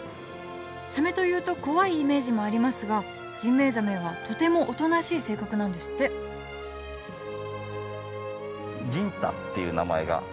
サメというと怖いイメージもありますがジンベエザメはとてもおとなしい性格なんですってジンタっていう名前が。